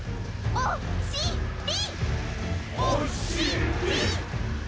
おしり！